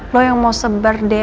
lo yang mau sebar dna keisha